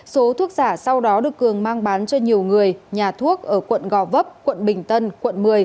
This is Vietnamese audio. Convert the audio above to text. số thuốc giả sau đó được cường mang bán cho nhiều người nhà thuốc ở quận gò vấp quận bình tân quận một mươi